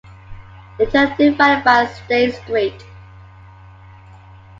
The two are divided by State Street.